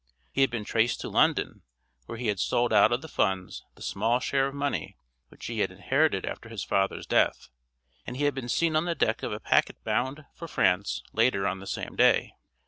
He had been traced to London, where he had sold out of the funds the small share of money which he had inherited after his father's death, and he had been seen on the deck of a packet bound for France later on the same day.